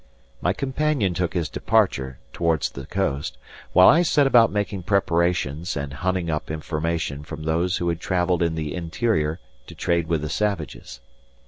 My companion took his departure towards the coast, while I set about making preparations and hunting up information from those who had travelled in the interior to trade with the savages.